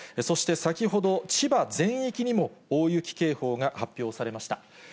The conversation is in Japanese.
そして先ほど、千葉全域にも大雪警報が発表されました。